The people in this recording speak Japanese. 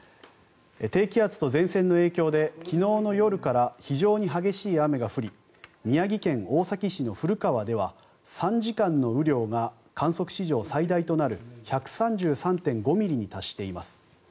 低気圧と前線の影響で昨日の夜から非常に激しい雨が降り宮城県大崎市の古川では３時間の雨量が観測史上最大となる１３３．５ミリに達しています。